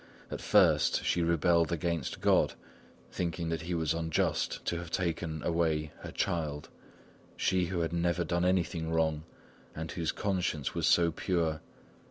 At first she rebelled against God, thinking that he was unjust to have taken away her child she who had never done anything wrong, and whose conscience was so pure!